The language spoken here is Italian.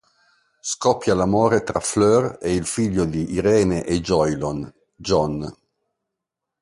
Scoppia l'amore tra Fleur e il figlio di Irene e Jolyon, Jon.